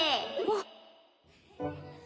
あっ！